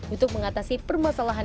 untuk mengatasi permasalahan